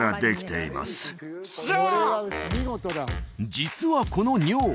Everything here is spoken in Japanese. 実はこの尿